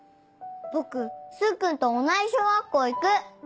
僕スッくんと同じ小学校行く！